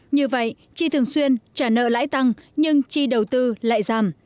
như vậy tri thường xuyên trả nợ lãi tăng nhưng tri đầu tư lại giảm